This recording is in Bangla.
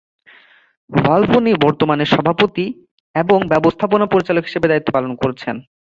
বালবোনি বর্তমানে সভাপতি এবং ব্যবস্থাপনা পরিচালক হিসেবে দায়িত্ব পালন করছেন।